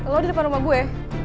lo di depan rumah gue